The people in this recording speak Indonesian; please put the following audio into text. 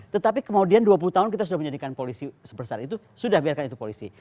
tetapi kemudian dua puluh tahun kita sudah menjadikan polisi sebesar itu sudah biarkan itu polisi